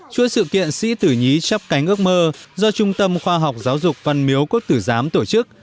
chuỗi sự kiện sĩ tử nhí chấp cánh ước mơ do trung tâm khoa học giáo dục văn miếu quốc tử giám tổ chức